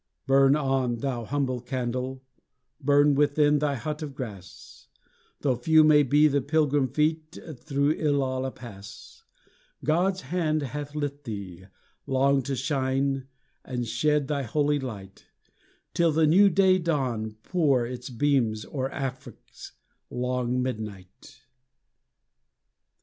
Burn on, thou humble candle, burn within thy hut of grass, Though few may be the pilgrim feet that through Ilala pass; God's hand hath lit thee, long to shine, and shed thy holy light Till the new day dawn pour its beams o'er Afric's long midnight.